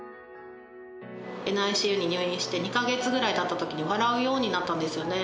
ＮＩＣＵに入院して２か月ぐらいたったときに、笑うようになったんですよね。